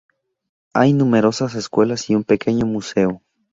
Hay numerosas escuelas y un pequeño museo.